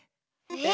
え？